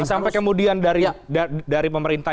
sampai kemudian dari pemerintah